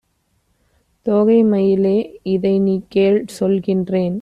தோகை மயிலே! இதைநீகேள் சொல்லுகின்றேன்.